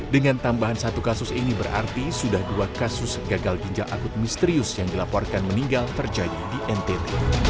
dengan tambahan satu kasus ini berarti sudah dua kasus gagal ginjal akut misterius yang dilaporkan meninggal terjadi di ntt